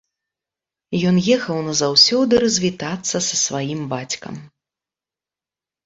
Ён ехаў назаўсёды развітацца з сваім бацькам.